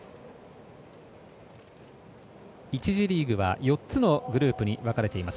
１次リーグは４つのグループに分かれています。